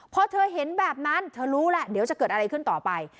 พอเธอเห็นแบบนั้นเธอรู้แหละเดี๋ยวจะเกิดอะไรขึ้นต่อไป